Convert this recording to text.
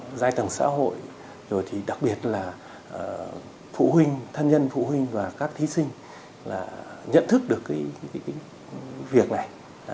các giai tầng xã hội rồi thì đặc biệt là phụ huynh thân nhân phụ huynh và các thí sinh là nhận thức được cái việc này